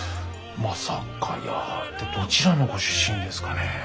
「まさかやー」ってどちらのご出身ですかね。